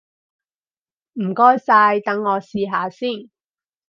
唔該晒，等我試下先！